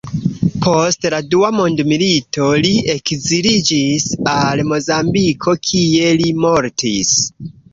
Post la Dua Mondmilito, li ekziliĝis al Mozambiko, kie li mortis.